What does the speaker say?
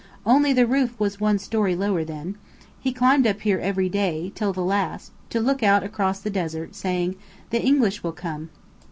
"Only the roof was one story lower then. He climbed up here every day, till the last, to look out across the desert, saying: 'The English will come!'